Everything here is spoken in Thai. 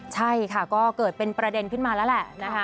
ใช่ค่ะก็เกิดเป็นประเด็นขึ้นมาแล้วแหละนะคะ